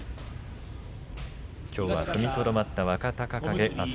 きょう踏みとどまった若隆景です。